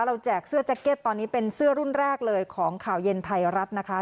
แจกเสื้อแจ็คเก็ตตอนนี้เป็นเสื้อรุ่นแรกเลยของข่าวเย็นไทยรัฐนะคะ